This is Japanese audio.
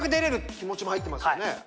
気持ちも入ってますよね。